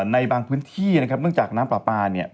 ในบางพื้นที่นะครับเนื่องจากน้ำปลาปลาเนี่ย